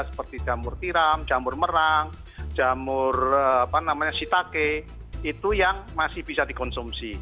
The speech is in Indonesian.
seperti jamur tiram jamur merang jamur sitake itu yang masih bisa dikonsumsi